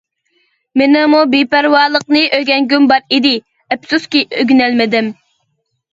مېنىڭمۇ بىپەرۋالىقنى ئۆگەنگۈم بار ئىدى، ئەپسۇسكى ئۆگىنەلمىدىم.